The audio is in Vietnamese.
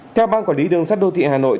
theo ban quản lý đường sắt đô thị hà nội